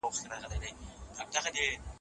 د خېټې وړولو لپاره خپل هدف وټاکئ.